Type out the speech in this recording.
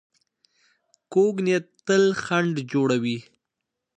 کوږ نیت تل خنډ جوړوي